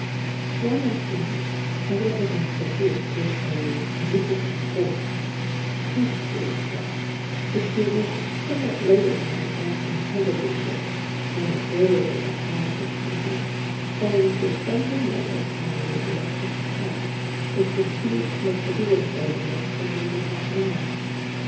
One afternoon, I went with Aunt Sophia to a "music at four," " camp stool" affair which we reached somewhat later than my aunt intended we should, and earlier than I hoped we might, owing to a friendly motor on the electric car which refused to make the wheels go round for nearly half an hour.